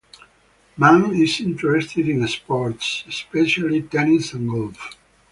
Mann is interested in sports, especially tennis and golf.